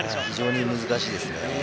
非常に難しいですね。